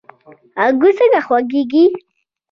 انګور څنګه خوږیږي؟